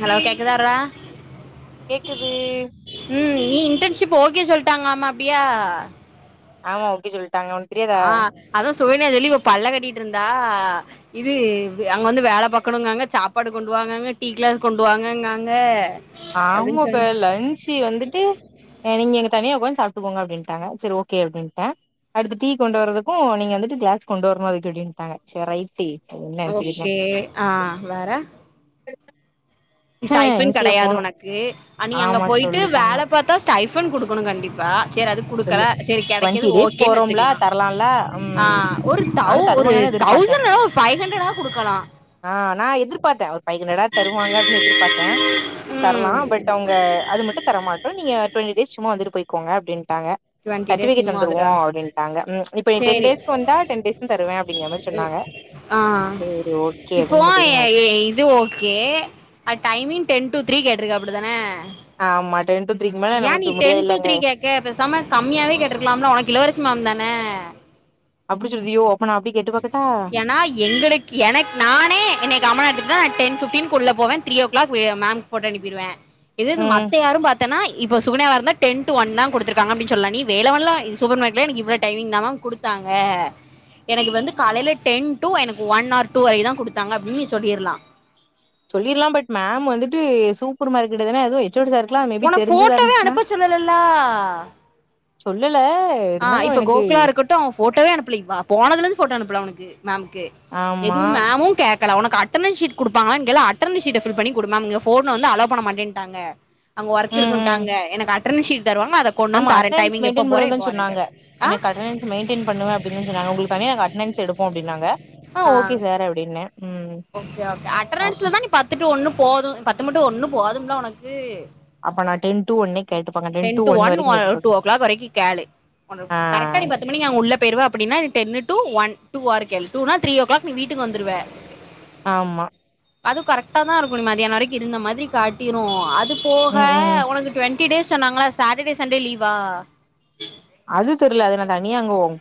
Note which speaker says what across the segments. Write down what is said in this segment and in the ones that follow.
Speaker 1: hello கேக்குதாரா
Speaker 2: கேக்குது
Speaker 1: உம் நீ இன்டர்ன்ஷிப் ஓகே சொல்ட்டாங்கலாம அப்டியா
Speaker 2: ஆமா ஓகே சொல்ட்
Speaker 1: ஆஹ் அதா சுகன்யா வெளிய பள்ள காட்டிட்டு இருந் தா இது அங்க வந்து வேல பாக்கணுங்காங்க சாப்பாடு கொண்டுவாங்கங்க டீ க்ளாஸ் கொண்டுவாங்க காங்க
Speaker 2: ஆமாப்பே லன்ச்சு வந்துட்டு நீங்க எங் தனியா உக்காந்து சாப்ட்டுகோங்க அப்டின்டாங்க சரி ஓகே அப்டின்ட அடுத்து டீ கொண்டு வரதுக்கு நீங்க வந்துட்டு கேஸ் கொண்டு வரணு அதுக்கு அப்டின்டாங்க சரி ரைட்டு அப்டின்னு நெனச்சுக்கிட்டே
Speaker 1: ஓகே ஆஹ் வேற
Speaker 2: ஹ
Speaker 1: ஷைஃபன்
Speaker 2: என் சி எப்
Speaker 1: கெடையாது
Speaker 2: போனு
Speaker 1: உனக்கு நீ அங்க
Speaker 2: ஆமா
Speaker 1: போயிட்டு
Speaker 2: சொல்லிட்டாங்க
Speaker 1: வேல பாத்தா ஸ்டைஃபன் குடுக்கணு கண்டிப்பா சரி அது குடுக்கல
Speaker 2: சொல்லு
Speaker 1: சரி
Speaker 2: டுவெண்ட்டி
Speaker 1: கெடைக்கிது
Speaker 2: டேஸ்
Speaker 1: ஓகேன்னு
Speaker 2: போறோம்ல
Speaker 1: வச்சுக்கலா
Speaker 2: தரலால்ல ம்
Speaker 1: அஹ் ஒரு
Speaker 2: நானு
Speaker 1: ஸ்டவ் ஒரு
Speaker 2: தருவாங்கன்னு
Speaker 1: தௌசண்ட் [unintelligible] ஃபைவ் ஹண்ரட்டாவது குடுக்கலா
Speaker 2: ஆஹ் நா எதிர்பாத்த ஒரு ஃபைஹண்ரட்டாவது தருவாங்க அப்டின்னு எதிர்பாத்த தரலா
Speaker 1: ம்
Speaker 2: பட் அவுங்க அது மட்டு தரமாட்டோ நீங்க டுவெண்ட்டி டேஸ் சும்மா வந்துட்டு போய்க்கோங்க அப்டின்டாங்க
Speaker 1: டுவெண்ட்டி டேஸ்
Speaker 2: சர்டிபிகேட் தந்துருவோ
Speaker 1: மாதிரா
Speaker 2: அப்டின்டாங்க இப்ப நீ டேன்
Speaker 1: சேரி
Speaker 2: டேஸ்க்கு வந்தா டென் டேஸ்ம் தருவ அப்டிங்கிற மாரி சொன்னாங்க
Speaker 1: ஆஹ்
Speaker 2: சேரி ஓகே
Speaker 1: இப்போ
Speaker 2: அப்டின்னு முடிவே ஆச்சு
Speaker 1: இது okay timing ten to three கேட்டிருக்க அப்டி தான
Speaker 2: ஆம்மா
Speaker 1: ஏன் நீ டென் டு த்ரீ கேக்க பேசாம கம்மியாவே கேட்டுருக்கலாம்ல ஒனக்கு இளவரசி மாம் தான
Speaker 2: அப்டி சொல்தியோ
Speaker 1: ஏன்னா எங்களுக்கு எனக்கு நானே என்ன காமனா எத்துகிட்டா டென் ஃபிஃப்டீனுக்கு உள்ள போவ three o'clock ma'am photo அனுப்பிருவ இது
Speaker 2: ம்
Speaker 1: மத்த யாரு பாத் தன இப்ப சுகனியாவ இருந்தா டென் டு ஒன் தா கொடுத்தருக்காங்க அப்டினு சொல்லலா நீ வேலவன்லா சூப்பர் இது மார்ட்லே இவ்ளோ டைமிங் தா மேம் குடுத்தாங்க எனக்கு வந்து காலைல டென் டூ எனக்கு ஒன் ஆர் டூ வரை தா குடுத்தாங்க அப்டின்னு நீ சொல்லிர்லா
Speaker 2: சொல்லிர்லா பட் மேம் வந்துட்டு சூப்பர் மார்க்கெட் தான எதுவு சுடிதார்குலா மேபி
Speaker 1: உனக்கு
Speaker 2: தெரிஞ்சதா
Speaker 1: போட்டோவே
Speaker 2: இருந்துச்சுன்னா
Speaker 1: அனுப்ப சொல்லலல்ல
Speaker 2: சொல்லல
Speaker 1: ஆஹ்
Speaker 2: இருந்தாலு
Speaker 1: இப்ப
Speaker 2: எனக்கு
Speaker 1: கோகுலா இருக்கட்டு அவ ஃபோட்டோவே அனுப்பல போனதுல இருந்து ஃபோட்டோ அனுப்பல அவனுக்கு மேம்க்கு
Speaker 2: ஆமா
Speaker 1: எதுவு மேமு கேக் கல உனக்கு அட்டர்னன் ஷீ்ட் குடுப்பாங்கல கேளு அட்டர்னன் ஷீட் ஃபில் பண்ணி கொடு மேம் இங்க ஃபோன் வந்து அலோ பண்ணமாட்டேட்டாங்க அங்க ஒர்க்
Speaker 2: ம் ம்
Speaker 1: இருக்குட்டாங்க எனக்கு அட்டர்ன் ஷீ்ட் தருவாங்க அத கொண்டு
Speaker 2: ஆமா
Speaker 1: வந்து தாரே
Speaker 2: அட்டனன்ஸ்
Speaker 1: டைமிங் எப்ப
Speaker 2: மெயின்டென்
Speaker 1: போற
Speaker 2: பண்ணுவோ தா
Speaker 1: எப்போ வரே
Speaker 2: சொன்னாங்க எனக்கு அட்டனன்ஸ் மெய்ன்டெய்ன் பண்ணுவ அப்டின்னு தா சொன்னாங்க உங்களுக்கு தனியா அட்னன்ஸ் எடுப்போ அப்டினாங்க ஆஹ்
Speaker 1: ஆ
Speaker 2: ஓகே சார் அப்டின்ன
Speaker 1: ஓகே ஓகே அட்ரன்ஸ்லதா நீ பத்து டூ ஒண்ணு போது பத்து மட்டு ஒண்ணு போதும்ல ஒனக்கு
Speaker 2: அப்ப நா டென் டூ ஒன்னே கேட்டுப்பாங்க
Speaker 1: டென்
Speaker 2: டு
Speaker 1: டூ ஒன்
Speaker 2: வரைக்கு
Speaker 1: டூ
Speaker 2: கேட்டுப்பாங்க
Speaker 1: ஓ க்ளாக் வரைக்கு கேளு
Speaker 2: ஆ
Speaker 1: கரெட்டா நீ பத்து மணிக்கு அங்க உள்ள போய்ருவ அப்டின்னா ten two one two or கேள் டூனா த்ரீ ஓ கிளாக் நீ வீட்டுக்கு வந்துருவ
Speaker 2: ஆம்மா
Speaker 1: அது கரெக்டா தா இருக்கு நீ மதியான வரைக்கு இருந்த மாதிரி காட்டிரு அது போக
Speaker 2: ம் ம்
Speaker 1: உனக்கு டுவென்டி டேஸ் சொன்னாங்களா சாட்டர்டே சண்டே லீவா
Speaker 2: அது தெரில அது நா தனியா அங்க போவு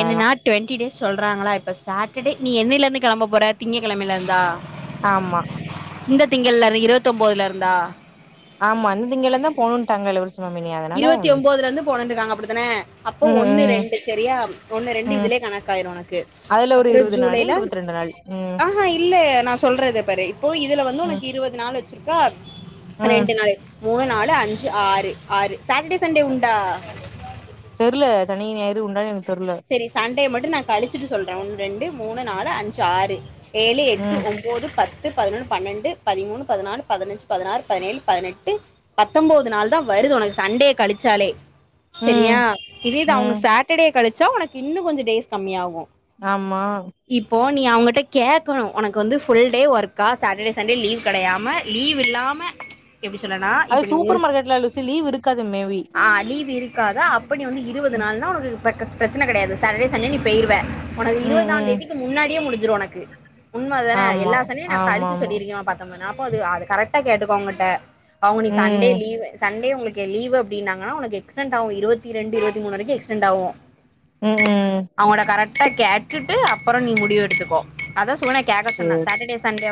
Speaker 1: என்னன்னா டுவெண்டி டேஸ் சொல்றாங்களா இப்ப சாட்டர்டே நீ என்னில இருந்து கெளம்ப போற திங்க கெழமைல இருந்தா
Speaker 2: ஆம்மா
Speaker 1: இந்த திங்கள்ல இருந்து இரவத்தொம்போதுல இருந்தா
Speaker 2: ஆமா இந்த திங்கல்லந்தா போணும்ட்டாங்க இளவரசி மாமினி அதனால
Speaker 1: இருவத்தி ஒம்போதுல இருந்து போனுருக்காங்க அப்டிதான அப்ப
Speaker 2: ம்
Speaker 1: ஒன்னு
Speaker 2: ம்
Speaker 1: ரெண்டு செரியா ஒன்னு ரெண்டு
Speaker 2: ம்
Speaker 1: இதுலே கணக்காயிடும் உனக்கு
Speaker 2: அதுல ஒரு
Speaker 1: அப்புறம்
Speaker 2: இருவது நாளு
Speaker 1: ஜூலைல
Speaker 2: இருவத்தி ரெண்டு நாள் ம்
Speaker 1: ஆஹஹா இல்ல நான் சொல்றது பாரு அப்போ இதுல வந்து
Speaker 2: ம்
Speaker 1: உனக்கு இருபது நாள் வச்சிருக்கா
Speaker 2: ம்
Speaker 1: ரெண்டு நாள் மூணு நாலு அஞ்சு ஆறு ஆறு சட்டர்டே சண்டே உண்டா
Speaker 2: தெரில சனி ஞாயிறு உண்டானு என
Speaker 1: சேரி சண்டே மட்டும் நா கழிச்சுட்டு சொல்றேன் ஒன்னு ரெண்டு மூணு நாலு அஞ்சு ஆறு ஏழு எட்டு
Speaker 2: ம்
Speaker 1: ஒம்போது பத் து பதினொன்னு பன்னெண்டு பதிமூணு பதினாலு பதினஞ்சு பதினாறு பதினேழு பதினெட்டு பத்தொம்பது நாள் தான் வரு து உனக்கு சண்டே கழிச்சாலே
Speaker 2: ம்
Speaker 1: செரியா இதேயிது
Speaker 2: ம்
Speaker 1: அவுங்க சட்டர்டே கழிச்சா உனக்கு இன்னு கொஞ்ச டேஸ் கம்மியாகும்
Speaker 2: ஆமா
Speaker 1: போ நீ அவுங்கிட்ட கேக்கணு உனக்கு வந்து ஃபுல் டே ஒர்க்கா சாட்டர்டே சண்டே லீவ் கிடையாம லீவ் இல்லா எப்படி சொல்லனா
Speaker 2: அது
Speaker 1: இப்ப நீ ஒரு
Speaker 2: சூப்பர் மார்க்கெட்ல லூசி லீவ் இருக்காது மேபி
Speaker 1: ஆ லிவ் இருக் காது அப்ப வந்து இருபது
Speaker 2: ம்
Speaker 1: நாள்னா உனக்கு பிரச்சனை கிடையாது சாட்டர்டே சண்டே நீ போயிருவ உனக்கு இருபதா
Speaker 2: ம்
Speaker 1: தேதிக்கு முன்னாடியே முடிஞ்சிரும் உனக்கு உண்ம அதுதானே
Speaker 2: ஆமா
Speaker 1: எல்லா சன்டேயும் நா கழிச்சு
Speaker 2: ஆமாமா
Speaker 1: சொல்லிருக்கே பத்தொம்பது நாள் அப்போ அது அது கரெக்டா கேட்டுக்கோ அவுங்கட்ட அவ நீ சண்டே
Speaker 2: ம்
Speaker 1: லீவு சண்டே அப்ப உங்களுக்கு லீவு அப்படின்னாங்கனா உனக்கு எக்ஸ்டென்ட் ஆகும் இருவத்தி ரெண்டு இருபத்தி மூணு வரைக்கு எக்ஸ்டென்ட் ஆகு
Speaker 2: உம் உம்
Speaker 1: அப்ப கேட்டுட்டு அப்புறம் நீ முடிவு எடுத்துக்கோ அதா சொன்ன கேக்க சொன்னா
Speaker 2: சேரி
Speaker 1: சாட்டர்டே சண்டே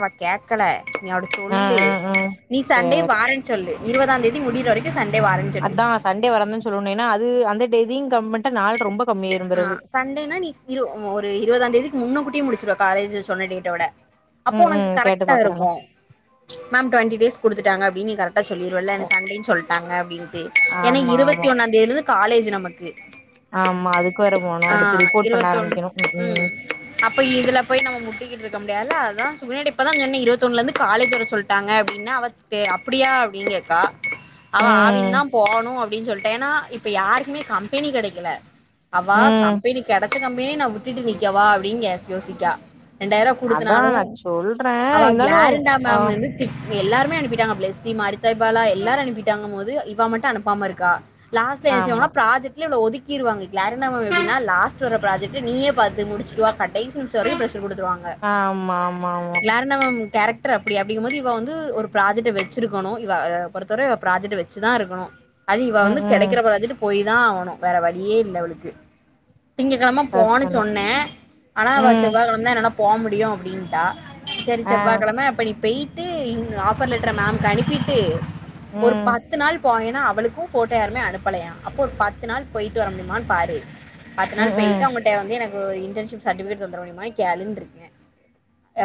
Speaker 1: அவ கேக்கல நீ அவாட்ட
Speaker 2: ஆ
Speaker 1: சொல்லு
Speaker 2: ஆ ஆ
Speaker 1: நீ சண்டே
Speaker 2: சேரி
Speaker 1: வாரன்னு சொல்லு இருபதாம் தேதி முடியுற வரைக்கு சண்டே வாரேன்னு சொல்லு
Speaker 2: அதா சண்டே வரன்னு சொல்லணு ஏன்னா அது அந்த தேதியும் கம்மி பண்ணிட்டா நாள் ரொம்ப கம்மியாயிரு பிறவு
Speaker 1: ஆஹ் சண்டேனா நீ இரு ஒரு இருபதாம்ந்தேதிக்கு முன்னக் கூட்டியே முடிச்சுடுவ காலேஜ்ல சொன்ன டேட்டோட அப்போ
Speaker 2: ம்
Speaker 1: உனக்கு
Speaker 2: ம் கேட்டு
Speaker 1: கரெக்டா
Speaker 2: பாக்குறேங்க
Speaker 1: இருக்கு மேம் டுவெண்ட்டி டேஸ் குடுத்துட்டாங்க அப்படின்னு கர க்டா சொல்லிடுவல்ல சண்டேன்னு சொல்லிட்டாங்க அப்படின்னுட்டு ஏன்னா
Speaker 2: ஆமா
Speaker 1: இருபத்தி
Speaker 2: ஆமா
Speaker 1: ஒன்னா தேதில இருந்து காலேஜ் நமக்கு
Speaker 2: ஆமா அதுக்
Speaker 1: ஆஹ் இருவத்தொண்ணு உம்
Speaker 2: ம்
Speaker 1: அப்ப இதுல போய் நம்ம முட்டிக்கிட்டு இருக்க முடியாதுல அத முன்னாடி இப்ப தான் சொன்ன இருவத்தி ஒன்னுல இருந்து காலேஜ் வர சொல்லிட்டாங்கப்படின்னா அவா அப்படியா அப்டினு கேக்கா அவா ஆவின்
Speaker 2: ம்
Speaker 1: தான் போணும் அப்டின் சொல்லிட்டா ஏன்னா இப்ப யாருக்குமே கம்பெனி கிடைக்கல அவா
Speaker 2: ம்
Speaker 1: கம்பெனி கிடைச்ச கம்பெனிய நா விட்டுட்டு நிக்கவா அப்டின் யோசிக்கா ரெண்டாயிரம்
Speaker 2: அதா நா
Speaker 1: குடுத்துனாலும்
Speaker 2: சொல்றே
Speaker 1: அவா
Speaker 2: இருந்தாலு
Speaker 1: க்ளரண்டா
Speaker 2: ஆ
Speaker 1: மேம் வந்து திட் எல்லாருமே அனுப்பிட்டாங்க ப்ளெஸி மாரிதாய் பாலா எல்லாரும் அனுப்பிட்டாங்க போது இவா மட்டும் அனுப்பாம இருக்கா லாஸ்டா என்ன
Speaker 2: ஆமா
Speaker 1: செய்வாங்கனா ப்ராஜெக்ட்ல இவள ஒதுக்கிருவாங்க வேற என்ன லாஸ்ட் வர ப்ராஜெக்ட்ல நீயே பாத்து முடிச்சிட்டு வா கடைசி நிமிஷம் வரைக்கும் ப்ரெஷ் எடுத்து குடுத்துருவாங்க
Speaker 2: ஆமா ஆமா ஆமா
Speaker 1: க்ளரண்டா மேம் கேரக் டர் அப்படி அப்படிங்குபோது இவா வந்து ஒரு ப்ராஜெக்ட வச்சிருக்கணும் இவ பொறுத்தவரை ப்ராஜெக்ட வச்சுதான் இருக்கனு அது இவா
Speaker 2: ம்
Speaker 1: வந்து
Speaker 2: ம்
Speaker 1: கிடைக்கிற ப்ராஜெக்ட் போய் தா ஆகணு வேற வழியே இல்ல அவளுக்கு திங்க கிழம போன்னு
Speaker 2: கஷ்டந்தா
Speaker 1: சொன்ன ஆனா அவ
Speaker 2: ம்
Speaker 1: செவ்வாய்கிழம தா என்னால போக முடியும் அப்படின்ட்டா சேரி
Speaker 2: ஆ
Speaker 1: செவ்வா கிழம அப்ப நீ போயிட்டு ஆஃபர் லெட்ர மேம்க்கு அனுப்பிட்டு ஒரு
Speaker 2: ம்
Speaker 1: பத்து நாள் போனேன்னா அவளுக்கும் போட்டோ யாருமே அனுப்பலையா அப்போ ஒரு பத்து நாள் போயிட்டு வர முடியுமான்னு பாரு பத்து நாள்
Speaker 2: ம் ம்
Speaker 1: போயிட்டு அவுங்கட்ட வந்து எனக்கு இன்டன்ஷிப் சர்டிபிகேட் தந்தர முடியுமா கேளுனு இருக்க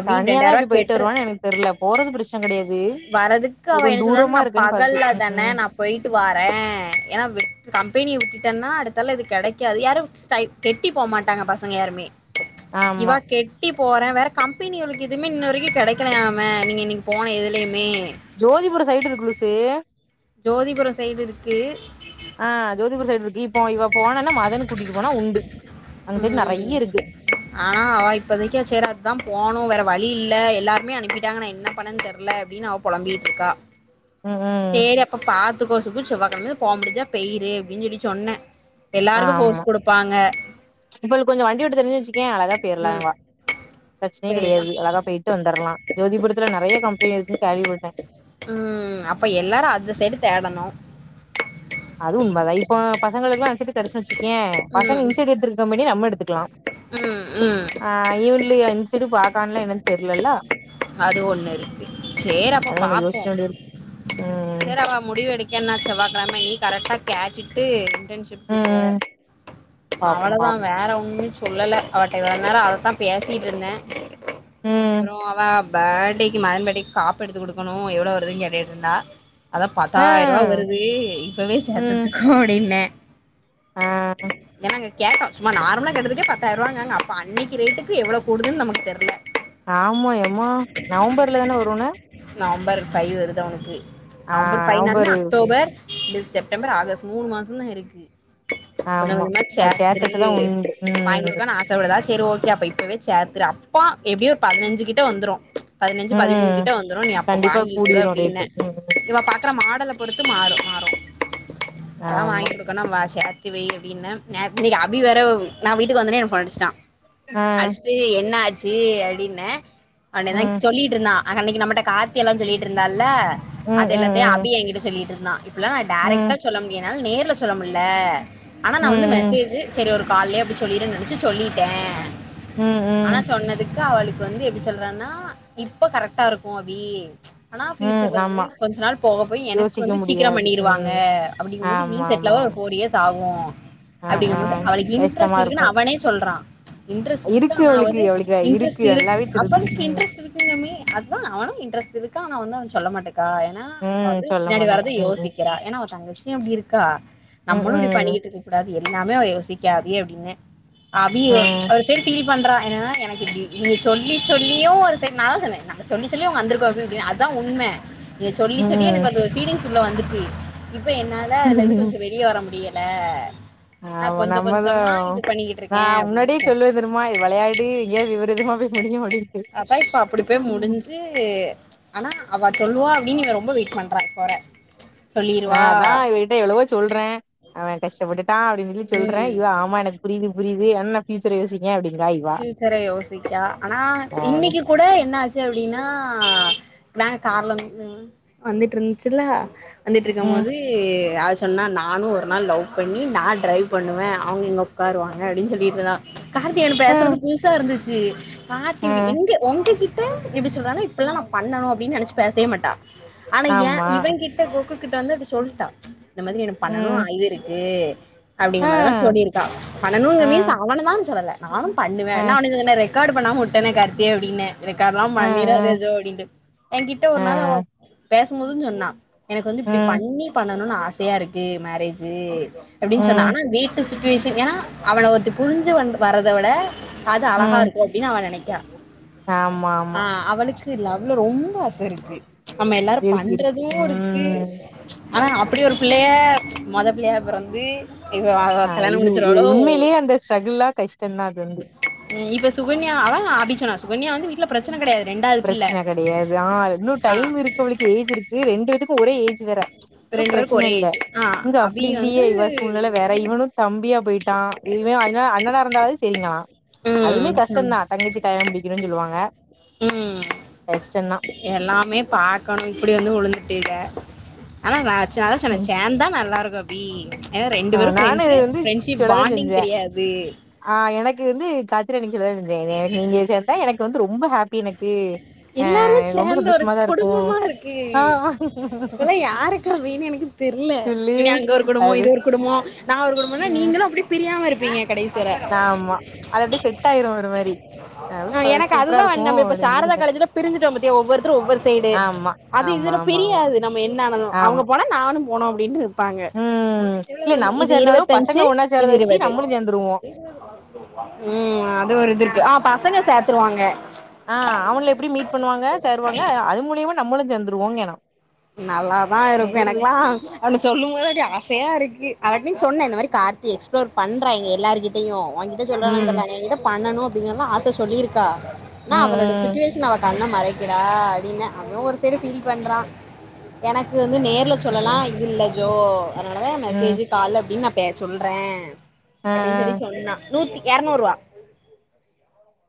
Speaker 2: தனியாதா எப்படி போயிட்டு வருவான்னு எனக்கு தெரியல போறது பிரச்சனை கிடையாது
Speaker 1: வர்றதுக்கு அவா என்ன சொன்னானா நா பகல்ல
Speaker 2: ம்
Speaker 1: தான
Speaker 2: ம்
Speaker 1: நா போயிட்டுவாறே ஏன்னா கம்பெனிய விட்டுட்டேன்னா அடுத்தால இது கிடைக்காது யாரும் கெட்டி போகமாட்டாங்க பசங்க யாருமே
Speaker 2: ஆமா
Speaker 1: இவா கெட்டி போறே வேற கம்பெனி அவளுக்கு எதுவுமே இன்ன வரைக்கும் கிடைக்கலயாமே நீ இன்னைக்கு போன எதுலயுமே
Speaker 2: ஜோதிபுர சைடு இருக்கு லுசு
Speaker 1: ஜோதிபுர சைடு இருக்கு
Speaker 2: ஆ ஜோதிபூர் சைடு இருக்கு இப்போ இவ போனானா மதனு கூட்டிட்டு போனா உண்டு அங்க சைடு
Speaker 1: ம்
Speaker 2: நெறைய இருக்கு
Speaker 1: ஆனா அவ இப்பதைக்க சேர் அதுதாம் போணு வேற வழி இல்ல எல்லாருமே அனுப்பிட்டாங்க நா என்ன பண்ணன் தெர்ல அப்டின் அவ பொழம்பிட்ருக்கா
Speaker 2: ம் ம்
Speaker 1: சேரி அப்ப பாத்துக்கோ சுகு செவ்வா கெழமதா போக முடிஞ்சா பெய்யிரு அப்டின் சொல்லி சொன்ன எல்லாருக்கு
Speaker 2: ஆமா
Speaker 1: ஃபோர்ஸ் குடுப்பாங்க
Speaker 2: இவளுக்கு கொஞ்ச வண்டி ஓட்ட தெரிஞ்சுனு வச்சுக்கே அழகா போய்ர்லா
Speaker 1: ம்
Speaker 2: வா பிரச்சனயே
Speaker 1: பெய்தான்
Speaker 2: கெடையாது அழகா போயிட்டு வந்துர்லா ஜோதி
Speaker 1: ஆ அப்ப எல்லாரு அந்த சைடு தேடணு
Speaker 2: அது உண்மதா இப்போ பசங்களுக்குலா அந்‌ செட்டு கெடச்சுனு வச்சு ஏ பசங்க
Speaker 1: ம்
Speaker 2: இன்செட் எடுத்துருக்க முன்னாடி நம்ம எடுத்துக்கலா
Speaker 1: ம் ம்
Speaker 2: ஆ ஈவன்லயு திடு பக்கான்லா என்னன் தெர்லல்ல
Speaker 1: அது ஒன்னு இருக்கு சேர் அப்ப
Speaker 2: அத நம்ம
Speaker 1: பாப்போ
Speaker 2: யோசிக்க வேண்டியது ம்
Speaker 1: சேரி அவ முடிவு எடுக்கேன்னா செவ்வா கெழம நீ கரெக்டா கேட்டுட்டு
Speaker 2: ம்
Speaker 1: இன்டன்ஷிப்கு போ
Speaker 2: ம் பாப்போ
Speaker 1: அவளதா
Speaker 2: பாப்போ
Speaker 1: வேற ஒன்னுச் சொல்லல அவட்ட இவ்ளோ நேர அதத்தா பேசிட்ருந்தே
Speaker 2: ம்
Speaker 1: அப்றோ அவ பேர்டேக்கு மதன் பேர்டேக்கு காப்பெடுத்து குடுக்கணு எவ்ளோ வருதுன் கேட்டுட்டு இருந்தா அதா
Speaker 2: ஆ
Speaker 1: பத்தாயிர்ரூவா வருது இப்பவே சேத்து
Speaker 2: ம்
Speaker 1: வச்சுக்கோ அப்டின்னே
Speaker 2: ஆ
Speaker 1: என்னங்க கேட்டோ சும்மா நார்மலா கேட்டதுக்கே பத்தாய்ருவாங்காங்க அப்ப அன்னைக்கு ரேட்டுக்கு எவ்ளோகூடுதுன் நமக்கு தெர்ல
Speaker 2: ஆமா எம்மா நவம்பர்லதானே வருன்ன
Speaker 1: நவம்பர் ஃபை வருது அவனுக்கு நவம்பர் ஃபைவ்னாலுமே அக்டோபர் டிஸ் செப்டம்பர் ஆகஸ்ட் மூணு மாசந்தா இருக்கு கொஞ்ச
Speaker 2: ஆமா
Speaker 1: கொஞ்சமா
Speaker 2: அது சேத்து
Speaker 1: சேர்த்துரு
Speaker 2: வச்சதா உண்டு
Speaker 1: வாங்கி
Speaker 2: ம்
Speaker 1: குடுக்கன் ஆசப்படுதா சேரி ஓகே அப்ப இப்பவே சேர்த இதுர அப்பா எப்டியு ஒரு பதுனஞ்சு கிட்ட வந்துரு பதினஞ்சு பதிமூணு
Speaker 2: ம்
Speaker 1: கிட்ட வந்துரு நீ அப்ப
Speaker 2: கண்டிப்பா
Speaker 1: வாங்கி கூட
Speaker 2: கூடிரு
Speaker 1: அப்டின்னே
Speaker 2: ரேட்டு ம் ம்
Speaker 1: இவக் பாக்குற மாடலப் பொறுத்து மாறு மாறு அதா வாங்கி
Speaker 2: ஆமா
Speaker 1: குடுக்கணு ரொம் ஆசையா இருக் க்குவே அப்டின்னே நேத் இன்னைக்கு அபி வேற நா வீட்டுக்கு வந்தோனே எனக்கு ஃபோன் அடிச்ட்டா
Speaker 2: ஆ
Speaker 1: அடிச்ட்டு என்ன ஆச்சு அப்டின்னே அவனேதாங்
Speaker 2: ம்
Speaker 1: சொல்லிட்ருந்தா அ அன்னைக்கு நம்மட்ட கார்த்தியெல்லா சொல்லிட்ருந்தால்ல
Speaker 2: ம் ம்
Speaker 1: அதெல்லாத்தையு
Speaker 2: ம்
Speaker 1: அபி எங்கிட்ட சொல்லிட்ருந்தா இப்புட்லா நா டேரெக்ட்டா
Speaker 2: ம்
Speaker 1: சொல்ல முடியனால் நேர்ல சொல்ல முட்ல ஆனா நா
Speaker 2: ம்
Speaker 1: வந்து
Speaker 2: ம்
Speaker 1: மெசேஜு செரி ஒரு கால்லே அப்டி சொல்லிருன் நெனச்சு சொல்லிட்டே
Speaker 2: ம்
Speaker 1: ஆனா
Speaker 2: ம்
Speaker 1: சொன்னதுக்கு அவளுக்கு வந்து எப்டி சொல்றேன்னா இப்ப கரெக்டா இருக்கு அபி ஆனா
Speaker 2: ம்
Speaker 1: ஃபியூச்சர்ல வந்து
Speaker 2: ஆமா
Speaker 1: கொஞ்ச நாள் போக போய் எனக்கு
Speaker 2: யோசிக்க
Speaker 1: வந்து சீக்கிரம்
Speaker 2: முடியாது
Speaker 1: பண்ணிருவாங்க
Speaker 2: ம்
Speaker 1: அப்டிங்கும்போது நீ
Speaker 2: ஆமா
Speaker 1: செட்டில்
Speaker 2: ஆமா
Speaker 1: ஆவ
Speaker 2: ஆமா
Speaker 1: ஃபோர் இயர்ஸ் ஆகு
Speaker 2: ஆ ஆ
Speaker 1: அப்டிங்கும்போது அவளுக்கு
Speaker 2: கஷ்டமா
Speaker 1: இன்ட்ரெஸ்ட்
Speaker 2: இருக்கு
Speaker 1: இருக்குன்னு அவனே சொல்றா இன்ட்ரெஸ்ட் இருக்கு
Speaker 2: அவளுக்கு
Speaker 1: ஆனாவது
Speaker 2: அவளுக்கு இருக்கு
Speaker 1: இன்ட்ரெஸ்ட் இரு
Speaker 2: நல்லாவே தெரிது
Speaker 1: அவளுக்கு
Speaker 2: ம்
Speaker 1: இன்டரெஸ்ட் இருக்குன்னம்மே அதுதா‌ அவனு இன்ட்ரெஸ்ட் இருக்கு ஆனா ஒன்னு சொல்ல மாட்டே க்கா ஏனா அவ
Speaker 2: ம்
Speaker 1: வந்து
Speaker 2: சொல்ல
Speaker 1: பின்னாடி
Speaker 2: மாட்டாங்க
Speaker 1: வர்றது
Speaker 2: ம்
Speaker 1: யோசிக்கிறா ஏனா அவ தங்கச்சியு அப்டி இருக்கா
Speaker 2: ம் ம்
Speaker 1: நம்மளு இப்டி
Speaker 2: ம்
Speaker 1: பண்ணிக்கிட்டு இருக்க கூடாது எல்லாமே அவ யோசிக்கா அபி அப்டின்னே
Speaker 2: ஆ
Speaker 1: அபியு ஒரு சைடு ஃபீல் பண்றா என்னன்னா எனக்கு இப்டி இருந்துச்சு சொல்லி சொல்லியு ஒரு சைட் நா தா சொன்னே நாங்க சொல்லி சொல்லியு அவ்ங்க வந்திருக்கு அபி அப்டின்னு அதா உண்ம இத சொல்லி சொல்லியே
Speaker 2: ம்
Speaker 1: எனக்கு அந்த ஒரு ஃபீலிங்ஸ் உள்ள வந்துருச்சு இப்ப என்னால்ல அதுலருந்து கொஞ்ச வெளிய வர முடிய ல
Speaker 2: ஆமா நம்மதா நா
Speaker 1: இருக்கே
Speaker 2: முன்னாடியே
Speaker 1: அப்டின்னு சொன்
Speaker 2: சொல்லுவே தெரிமா இது வெளையாடி எங்யாது விபரீதமா போய் முடியு அப்டின்ட்டு
Speaker 1: அதா இப்ப அப்டி போய்
Speaker 2: ம்
Speaker 1: முடிஞ்சு ஆனா அவ சொல்லுவா நீங்கங்க ரொம்ப வெயிட் பண்றா போற
Speaker 2: நா அதா இவகிட்ட எவ்ளவோ சொல்றே அவ கஷ்டப்பட்டு டா அப்டின் சொல்லி சொல்றே
Speaker 1: ம்
Speaker 2: இவா ஆமா எனக்கு புரியுது புரியுது ஆனா நா ஃபியூச்சர யோசிக்கே அப்டின்
Speaker 1: ஃபியூச்சர யோசிக்கா ஆனா
Speaker 2: ஆ
Speaker 1: இன்னைக்கு கூட என்னாச்சு அப்டின்னா நாங்க கார்ல ம் வந்துட்டு இருந்ச்சுல வந்துட்டு இருக்கும்
Speaker 2: ம்
Speaker 1: போது ஆ சொன்னா நானு ஒரு நாள் லவ் பண்ணி நா டிரைவ் பண்ணுவே அவங்க இங்க உக்காருவாங்க அப்டின்னு சொல்லிடுருந்தா க ஆர்த்தி எகிட்ட பேசுறது
Speaker 2: ம்
Speaker 1: புதுசா இருந்துச்சு காத்தி
Speaker 2: ஆ
Speaker 1: இப்டி எங்க உங்ககிட் ட எப்டி சொல்வானா இப்பில்லா நா பண்ணனு அப்டின்னு நெனச்சு பேசவே மாட்டா ஆனா எ
Speaker 2: ஆமா
Speaker 1: இவ கிட்ட போக்கு கிட்ட வந்து அப்டி சொல்ட்ட இந்த மாதிரி என்ன பண்ணனு
Speaker 2: ம்
Speaker 1: அயிருக்கு அப்டிங்கதிர
Speaker 2: ஆ
Speaker 1: மாதிரில்லா சொல்லிருக்கா பனுங்க
Speaker 2: ஆ
Speaker 1: மீன்ஸ் அவண தான்னு சொல்லல நானு பண்ணுவே
Speaker 2: ஆ
Speaker 1: நானு இந்த மா இன்னொரு காடு பண்ணா முட்டனே கருத்து அப்டின்னே இருக்கார்லா
Speaker 2: ஆ ஆ
Speaker 1: பண்ணிராதே ஜோ அப்டின்ட்டு எகிட்ட
Speaker 2: ஆ
Speaker 1: ஒரு நாள் அவ பேசம்போது சொன்னா எனக்கு வந்து இப்டி
Speaker 2: ம்
Speaker 1: பண்ணி பண்ணணுனு ஆசையா இருக்கு மேரேஜு அப்டின்னு சொன்னா
Speaker 2: ம்
Speaker 1: ஆனா வீட்டு சுச்சுவேஷன் ஏன்னா அவள ஒருத்தி புரிஞ்சி வந்த் வர்றத விட அது அழகா
Speaker 2: ம்
Speaker 1: இருக்கு அப்டின்னு அவ நெனைக்குறா
Speaker 2: ஆமா
Speaker 1: ஆ
Speaker 2: ஆமா
Speaker 1: அவளுக்கு லவ் வுல ரொம்ப ஆச இருக்கு நம்ம எல்லாரு
Speaker 2: இருக்கு இருக்கு
Speaker 1: பண்றது இருக்கு
Speaker 2: ம்
Speaker 1: ஆனா அப்டி ஒரு பிள் ளயே மொத பிள்ளையா பிறந்து இவ அவ
Speaker 2: ஆ
Speaker 1: கல்யாணம்
Speaker 2: இது
Speaker 1: முடிச்சிருவாளோ
Speaker 2: உண்மையிலேயே அந்த ஸ்ட்ரகுல்லா கஷ்டந்தா அது வந்து
Speaker 1: இப்ப சுகன்யா அதா அபி சொன்னா சுகன்யா வந்து வீட்ல பிரச்சன கெடையாது ரெண்டாவது பிள்ள
Speaker 2: பிரச்சன கெடையாது ஆ இன்னு
Speaker 1: ஆ
Speaker 2: டைம் இருக்கு அவளுக்கு ஏஜ் இருக்கு ரெண்டு பேத்துக்கு ஒரே ஏஜ் வேற
Speaker 1: இப்ப
Speaker 2: சோ
Speaker 1: ரெண்டு பேருக்கு
Speaker 2: பிரச்சன
Speaker 1: ஒரே
Speaker 2: இல்ல
Speaker 1: ஏஜ் ஆ
Speaker 2: இங்க
Speaker 1: அபி
Speaker 2: அப்டி இல்லையே
Speaker 1: வந்து
Speaker 2: இவ சூழ்நில வேற இவனு தம்பியா போயிட்டா இ இவ அணா அண்ணனா இருந்தாலு செரிங்களா
Speaker 1: ம்
Speaker 2: அதுமே
Speaker 1: ஆமா
Speaker 2: கஷ்டந்தா தங்கச்சி கல்யாண முடிக்கனுன் சொல்லுவாங்க
Speaker 1: ம்
Speaker 2: கஷ்டந்தா
Speaker 1: எல்லாமே பாக்கணு இப்டி வந்து விழுந்துட்டீங்க ஆனா நா வச்சு அதா சொன்னே சேந்தா நல்லா இருக்கு அபி ஏன்னா ரெண்டு
Speaker 2: ஆ
Speaker 1: பேரு
Speaker 2: நானு இது
Speaker 1: ஃப்ரெண்ட்ஸு
Speaker 2: வந்து
Speaker 1: ஃப்ரெண்ட்ஷிப்
Speaker 2: சொல்லதா
Speaker 1: பாண்டிங்
Speaker 2: செஞ்சே
Speaker 1: தெரியாது
Speaker 2: ஆ எனக்கு வந்து கா [unintelligible] நீங்க சேந்தா எனக்கு வந்து ரொம்ப ஹேப்பி எனக்கு ஆ
Speaker 1: எல்லாருமே
Speaker 2: எனக்கு ரொம்ப
Speaker 1: சேர்ந்து ஒரு
Speaker 2: சந்தோஷமாதா இருக்கு
Speaker 1: குடும்பமா இருக்கு
Speaker 2: ஆ
Speaker 1: இதுல்ல யாருக்கு வீனு எனக்கு தெரில
Speaker 2: சொல்லி
Speaker 1: என்ன அங்க ஒரு குடும்போ
Speaker 2: அது
Speaker 1: இது ஒரு குடும்போ நா ஒரு குடும்பனா
Speaker 2: ம்
Speaker 1: நீங்களு அப்டி பிரியாம இருப்பீங்க கடை
Speaker 2: ஆமா அதப்ட்டி செட் ஆயிரு ஒரு மாரி அது
Speaker 1: ஆ
Speaker 2: பாரு
Speaker 1: எனக்கு
Speaker 2: சூப்ரா
Speaker 1: அதுதா
Speaker 2: இருக்கு
Speaker 1: வந்து நம்ம இப்ப
Speaker 2: எனக்கு
Speaker 1: சாரதா
Speaker 2: புடிச்சுருக்கு
Speaker 1: காலேஜ்ல பிரிஞ்சிட்டோ பாத்தியா ஒவ்வொருத்தரு ஒவ்வொரு சைடு
Speaker 2: ஆமா
Speaker 1: அது
Speaker 2: ஆமா
Speaker 1: இதுல
Speaker 2: ஆமா ஆமா
Speaker 1: பிரியாது நம்ம என்ன பண்ணனு அவங்க
Speaker 2: ஆமா
Speaker 1: போனா நானு போனு அப்டின்டுருப்பாங்க
Speaker 2: ம் இல்ல நம்ம
Speaker 1: இது
Speaker 2: சேரனாலு பசங்க
Speaker 1: இருவத்தஞ்சு
Speaker 2: ஒன்னா
Speaker 1: இது
Speaker 2: சேரத வச்சு
Speaker 1: இருவது
Speaker 2: நம்மளு சேந்துருவோ
Speaker 1: ம் அது ஒரு இது இருக்கு ஆ பசங்க சேத்துருவாங்க
Speaker 2: ஆ அவங்கள எப்டி மீட் பண்ணுவாங்க சேருவாங்க அது மூலியமா நம்மளு சேந்துருவோங்க நா
Speaker 1: நல்லாதா இருக்கு எனக்கெல்லா அவன சொல்லும்போது அப்டி ஆசையா இருக்கு அவர்கிட்டையு சொன்னே இந்த மாரி கார்த்தி எக்ஸ்ப்ளோர் பண்றா எங்க எல்லார்கிட்டையு அவங்கிட்ட சொல்றானானு
Speaker 2: ம்
Speaker 1: தெரில ஆனா எங்கிட்ட பண்ணணு அப்டினெல்லா ஆச சொல்லிருக்கா
Speaker 2: ம்
Speaker 1: ஆனா அவளோட சுட்டுவேஷன் அவ கண்ண மறைக்கிறா அப்டின்னே அவ ஒரு சைடு ஃபீல் பண்றா எனக்கு வந்து நேர்ல
Speaker 2: ம்
Speaker 1: சொல்லலா
Speaker 2: ம்
Speaker 1: இது இல்ல ஜோ அதனாலதா
Speaker 2: ம்
Speaker 1: மெசேஜ்ஜு கால் அப்டின்னு நா பே சொல்றே
Speaker 2: ஆ ஆ
Speaker 1: அப்டின்னு சொல்லி சொன்னா நூத்தி எரநூரூவா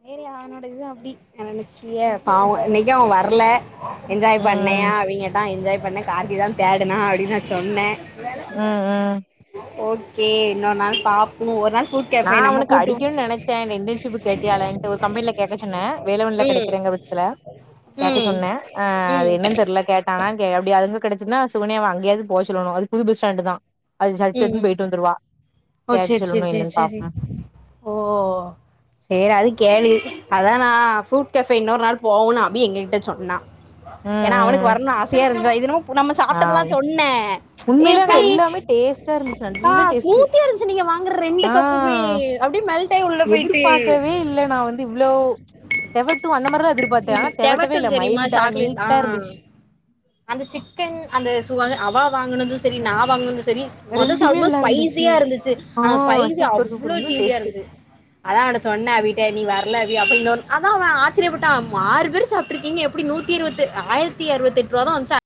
Speaker 1: நேர்ல அவனோட இது அப்டி அவ மிக்ச்லியே பாவோ இன்னைக்கு அவ வர்ல என்ஜாய் பண்ணேயா
Speaker 2: ம்
Speaker 1: அப்டிங்கேட்டா என்ஜாய் பண்ணே கார்த்தி தா தேடுனா அப்டின்னு நா சொன்னே
Speaker 2: ம் ம்
Speaker 1: ஓகே இன்னொரு நாள் பாக்கணு ஒரு நாள் கூப்ட்
Speaker 2: நா
Speaker 1: கேப்பே நம்ம
Speaker 2: அவனுக்கு
Speaker 1: கூட்டு
Speaker 2: அடிக்கணுனு நெனச்சே இந்த இன்டர்ன்ஷிப் கேட்டியாடான்ட்டு ஒரு கம்பெனில கேட்க சொன்னே வேலவன்ல
Speaker 1: ம்
Speaker 2: கெடைக்கிறங்க பட்சத்துல கேக்க
Speaker 1: ம்
Speaker 2: சொன்னே ஆ அது
Speaker 1: ம்
Speaker 2: என்னன் தெரில கே ட்டானா அங்கே அப்டியே அது வந்து கெடச்சுன்னா சுகனியாவ அங்கயாவது போ சொல்லணு அது புது பஸ் ஸ்டாண்டு தா அது சட்சட்ன்னு
Speaker 1: ம்
Speaker 2: போயிட்டு வந்துருவா
Speaker 1: ஓ
Speaker 2: கேட்டு சொல்லுங்க என்னன்னு பா
Speaker 1: செரி ஓ சேரி அது கேளு அதா நா ஃப்ரூட் கஃபே இன்னொரு நாள் போவோன்னு அபி எங்ககிட்ட சொன்னா
Speaker 2: ம்
Speaker 1: ஏன்னா அவனுக்கு
Speaker 2: ம்
Speaker 1: வரணு ஆசையா இருந்துதா இது என்னமோ பு நம்ம
Speaker 2: ஆ
Speaker 1: சாப்ட்டதுல்லா சொன்னே
Speaker 2: உண்மையிலே அங்க
Speaker 1: எப்டி
Speaker 2: எல்லாமே டே டேஸ்டா இருந்துச்சு
Speaker 1: ஆ
Speaker 2: நல்ல டேஸ்ட்டு
Speaker 1: ஸ்மூத்தியா இருந்துச்சு நீங்க வாங்குற ரெண்டு
Speaker 2: ஆ
Speaker 1: கப்புமே அப்டியே மெல்ட்டாயி உள்ள போயிட்டு
Speaker 2: எதிர்பா க்கவே இல்ல நா வந்து இவ்ளோ தெவட்டு அந்த மாரிதா திர் பாத்தே ஆனா
Speaker 1: ம்
Speaker 2: தெவட்டவே இல்ல
Speaker 1: தெவட்டும் தெரியுமா
Speaker 2: மைல்டா
Speaker 1: சாக்லேட் ஆ
Speaker 2: நீட்டா இர்ந்துச்
Speaker 1: அந்த சிக்கன் அந்த சுவாந்து அவா வாங்குனது சரி நா வாங்குனது தெரிஸ் மொத
Speaker 2: ரெண்டுமே
Speaker 1: சாவ்டுமோது
Speaker 2: நல்லா இருந்துச்சு
Speaker 1: ஸ்பைசியா இருந்துச்சு
Speaker 2: ஆ
Speaker 1: அனா ஸ்பைசி
Speaker 2: சூப்பர்
Speaker 1: அவ்ளோ
Speaker 2: சூப்பர் உன்னு
Speaker 1: சீஸியா
Speaker 2: டேஸ்ட்டு
Speaker 1: இருஞ்ச்சு அதா அவட்ட சொன்ன வீட்ட நீ வர்ல வி அப்ப இன்னோன் அதா அவ ஆச்சிரியபட் டாமா ஆறு பேரு சாப்ட்ருக்கீங்க எப்புடி நூத்தி இருவத்து ஆயர்த்தி அறுவத்தெட்ருவா தா வந்ச்ச